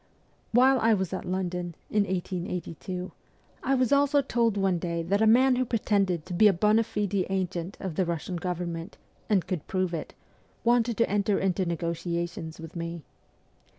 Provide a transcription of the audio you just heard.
While I was at London, in 1882, 1 was also told one day that a man who pretended to be a bond fide agent of the Russian government, and could prove it, wanted to enter into negotiations with me.